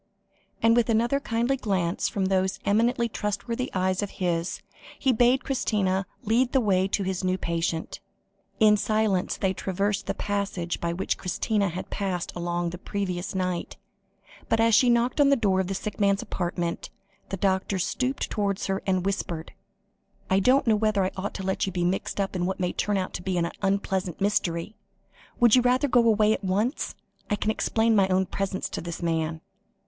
And with another kindly glance from those eminently trustworthy eyes of his, he bade Christina lead the way to his new patient. In silence they traversed the passage by which Christina had passed along on the previous night, but as she knocked on the door of the sick man's apartment, the doctor stooped towards her and whispered: "I don't know whether I ought to let you be mixed up in what may turn out an unpleasant mystery. Would you rather go away at once? I can explain my own presence to this man."